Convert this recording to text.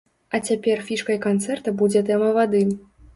А цяпер фішкай канцэрта будзе тэма вады.